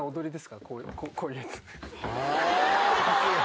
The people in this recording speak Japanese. こういうやつ。